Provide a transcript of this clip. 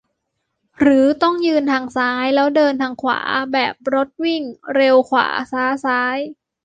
หรือต้อง ยืนทางซ้าย แล้วเดินทางขวา ? แบบรถวิ่ง เร็วขวา-ช้าซ้าย ?